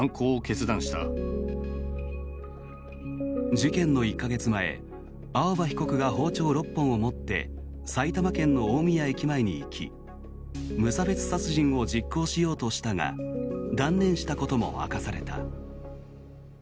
事件の１か月前青葉被告が包丁６本をもって埼玉県の大宮駅前に行き無差別殺人を実行しようとしたが断念したことも明かされた。